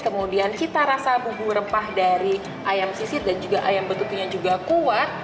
kemudian cita rasa bumbu rempah dari ayam sisir dan juga ayam betutunya juga kuat